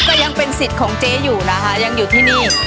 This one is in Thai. ก็ยังเป็นสิทธิ์ของเจ๊อยู่นะคะยังอยู่ที่นี่